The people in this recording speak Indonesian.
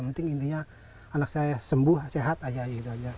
mending intinya anak saya sembuh sehat aja gitu aja